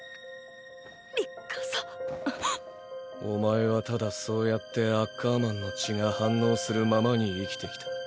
⁉お前はただそうやってアッカーマンの血が反応するままに生きてきた。